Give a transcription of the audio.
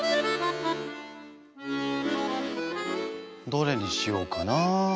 どれにしようかな。